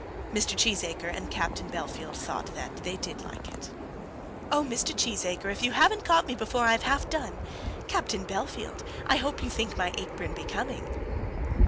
Mr. Cheesacre and Captain Bellfield thought that they did like it. "Oh, Mr. Cheesacre, if you haven't caught me before I've half done! Captain Bellfield, I hope you think my apron becoming."